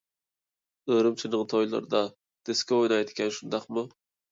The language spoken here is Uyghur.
ئۈرۈمچىنىڭ تويلىرىدا دىسكو ئوينايدىكەن، شۇنداقمۇ؟